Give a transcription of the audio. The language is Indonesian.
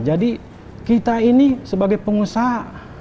jadi kita ini sebagai pengusaha